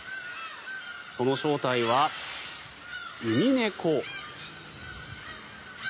その正体はウミネコ。